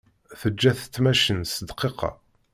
Teǧǧa-t tmacint s dqiqa.